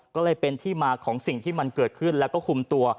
ก็เลยเป็นที่มาของสิ่งที่มันเกิดขึ้นแล้วก็คุมตัว